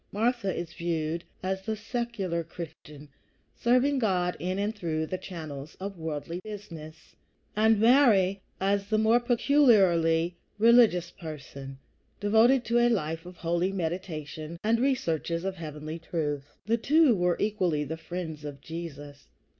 Martha is viewed as the secular Christian, serving God in and through the channels of worldly business, and Mary as the more peculiarly religious person, devoted to a life of holy meditation and the researches of heavenly truth. The two were equally the friends of Jesus.